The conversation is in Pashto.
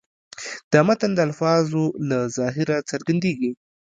د متن د الفاظو له ظاهره څرګندېږي.